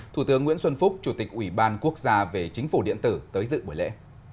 thủ tướng nguyễn xuân phúc chủ tịch ủy ban quốc gia về chính phủ điện tử tới dự buổi lễ